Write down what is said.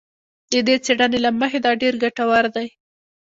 د دې څېړنې له مخې دا ډېر ګټور دی